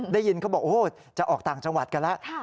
ได้ยินเขาบอกโอ้จะออกต่างจังหวัดกันแล้ว